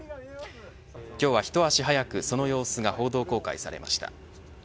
今日は一足早くその様子が報道公開されました。